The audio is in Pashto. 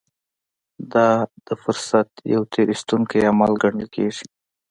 دا د فرصت يو تېر ايستونکی عمل ګڼل کېږي.